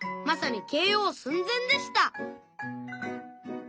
まさに ＫＯ 寸前でした